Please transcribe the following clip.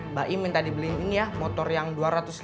mbak im minta beliin motor yang dua ratus lima puluh cc